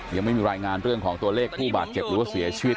ยังไม่มีรายงานเรื่องของตัวเลขผู้บาดเจ็บหรือว่าเสียชีวิต